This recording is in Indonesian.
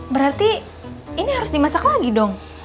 berarti ini harus dimasak lagi dong